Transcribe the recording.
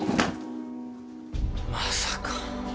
まさか。